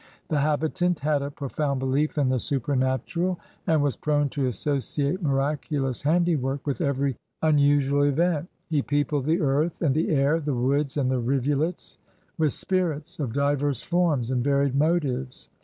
The habi tant had a profound belief in the supernatural, and was prone to associate miraculous handiwork with every unusual event. He peopled the earth and the air, the woods and the rivulets, with spirits of diverse forms and varied motives.